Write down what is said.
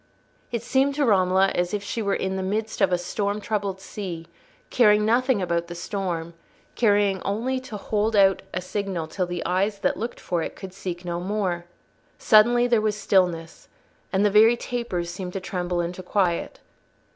It seemed to Romola as if she were in the midst of a storm troubled sea, caring nothing about the storm, caring only to hold out a signal till the eyes that looked for it could seek it no more. Suddenly there was stillness, and the very tapers seemed to tremble into quiet.